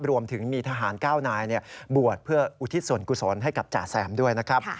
รวมถึงมีทหาร๙นายบวชเพื่ออุทิศส่วนกุศลให้กับจ่าแซมด้วยนะครับ